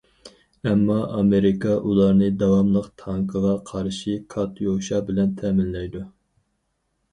ئەمما ئامېرىكا ئۇلارنى داۋاملىق تانكىغا قارشى كاتيۇشا بىلەن تەمىنلەيدۇ.